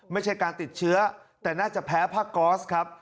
ไม่ใช่การติดเชื้อแต่น่าจะแพ้ผ้าก๊อสครับ